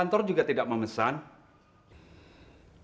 ah ketiga spesifikasi sayang gue